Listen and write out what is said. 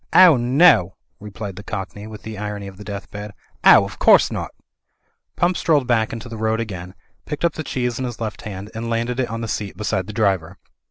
"Ow no!" replied the cockney, with the irony of the deathbed. "Ow, of cotwse not" Pump strolled back into the road again, picked up the cheese in his left hand, and landed it on the seat beside the driver.